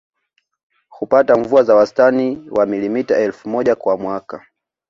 Hupata mvua za wastani wa milimita elfu moja kwa mwaka